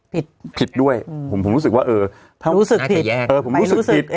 ผิดผิดด้วยอืมผมรู้สึกว่าเออรู้สึกผิดเออผมรู้สึกผิด